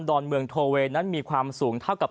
อนเมืองโทเวย์นั้นมีความสูงเท่ากับ